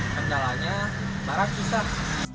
penjalanya barang susah